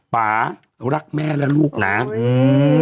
ป่ารักแม่และลูกนะอืม